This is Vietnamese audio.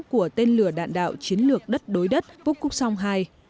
của tên lửa đạn đạo chiến lược đất đối đất phúc quốc song ii